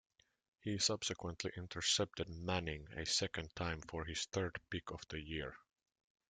He subsequently intercepted Manning a second time for his third pick of the year.